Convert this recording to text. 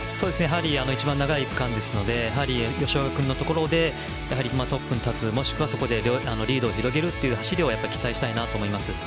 一番長い区間ですので吉岡君のところでやはりトップに立つもしくはそこでリードを広げる走りを期待したいなと思います。